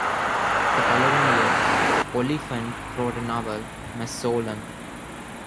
The following year, Oliphant wrote a novel, "Masollam".